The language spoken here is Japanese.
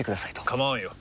構わんよ。